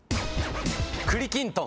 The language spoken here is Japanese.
栗きんとん。